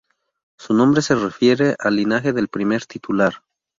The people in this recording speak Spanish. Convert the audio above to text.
Su nombre se refiere al linaje del primer titular.